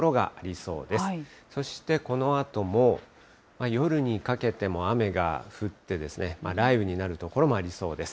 そしてこのあとも、夜にかけても雨が降って、雷雨になる所もありそうです。